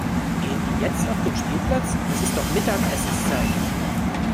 Gehen die jetzt auf den Spielplatz? Es ist doch Mittagessenszeit.